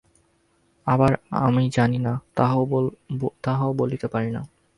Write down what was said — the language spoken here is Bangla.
আবার আমি জানি না, তাহাও বলিতে পারি না।